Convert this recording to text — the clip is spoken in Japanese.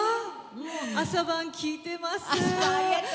朝晩、聴いてます。